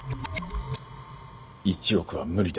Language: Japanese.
１億は無理だ。